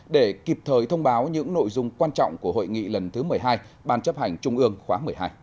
để kịp thời thông báo những nội dung quan trọng của hội nghị lần thứ một mươi hai ban chấp hành trung ương khóa một mươi hai